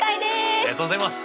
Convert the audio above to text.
ありがとうございます！